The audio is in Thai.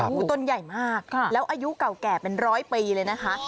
ต้นใหญ่มากแล้วอายุเก่าแก่เป็นร้อยปีเลยนะคะ